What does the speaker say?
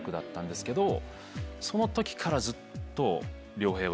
そのときからずっと。